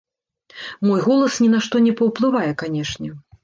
Мой голас ні на што не паўплывае, канечне.